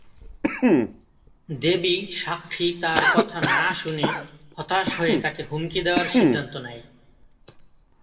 দেবী, সাক্ষী তার কথা না শুনে হতাশ হয়ে তাকে হুমকি দেওয়ার সিদ্ধান্ত নেয়।